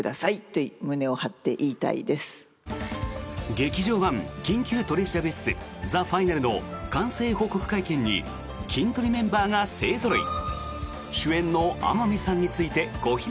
劇場版「緊急取調室ＴＨＥＦＩＮＡＬ」の完成報告会見にキントリメンバーが勢ぞろい。